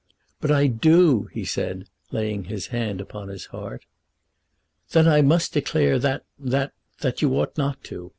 "But I do," said he, laying his hand upon his heart. "Then I must declare that that that you ought not to.